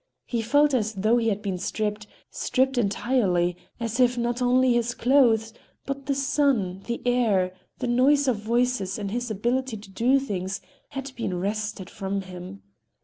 He felt as though he had been stripped, stripped entirely,—as if not only his clothes, but the sun, the air, the noise of voices and his ability to do things had been wrested from him.